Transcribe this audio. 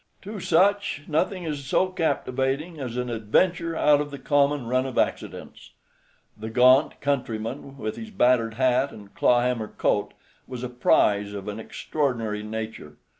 To such nothing is so captivating as an adventure out of the common run of accidents. The gaunt countryman, with his battered hat and clawhammer coat, was a prize of an extraordinary nature.